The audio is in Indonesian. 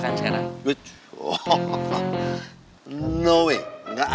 longgo diri dulu ya